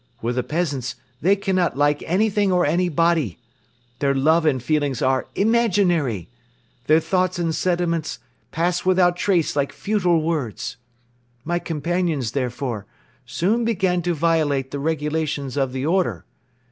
With the peasants, they cannot like anything or anybody. Their love and feelings are imaginary. Their thoughts and sentiments pass without trace like futile words. My companions, therefore, soon began to violate the regulations of the Order.